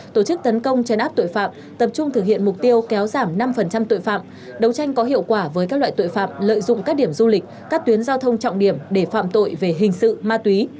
tổ chức tấn công chấn áp tội phạm tập trung thực hiện mục tiêu kéo giảm năm tội phạm đấu tranh có hiệu quả với các loại tội phạm lợi dụng các điểm du lịch các tuyến giao thông trọng điểm để phạm tội về hình sự ma túy